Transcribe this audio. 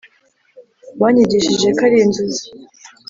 wanyigishije ko ari inzozi